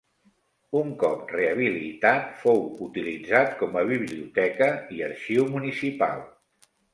Un cop rehabilitat, fou utilitzat com a biblioteca i arxiu municipal.